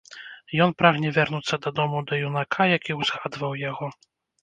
Ён прагне вярнуцца дадому да юнака, які ўзгадаваў яго.